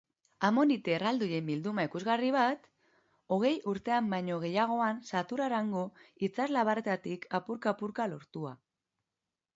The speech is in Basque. Amonite erraldoien bilduma ikusgarri bat, hogei urtean baino gehiagoan Saturrarango itsaslabarretatik apurka-apurka lortua.